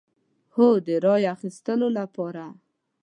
هو، د رای اخیستو لپاره